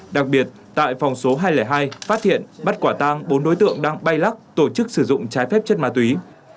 đặc biệt tại phòng số hai trăm linh hai phát hiện bắt quả tang bốn đối tượng đang bay lắc tổ chức sử dụng trái phép chất ma túy